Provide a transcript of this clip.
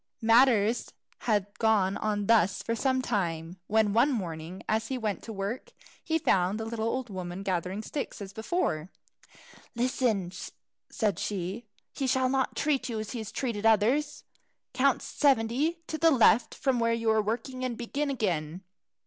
Matters had gone on thus for some time, when one morning, as he went to work, he found the little old woman gathering sticks as before. "Listen," said she. "He shall not treat you as he has treated others. Count seventy to the left from where you are working, and begin again.